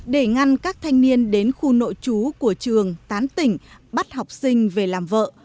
để ngăn các thanh niên đến khu nội trú của trường tán tỉnh bắt học sinh về làm vợ